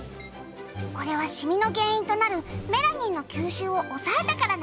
これはシミの原因となるメラニンの吸収を抑えたからなのよ。